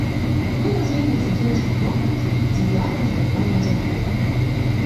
Коли розвідник закінчив доповідь, зібрання задоволено загуло.